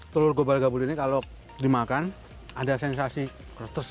telur kobal kabul ini kalau dimakan ada sensasi kertes